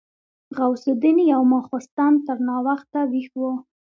غوث الدين يو ماخستن تر ناوخته ويښ و.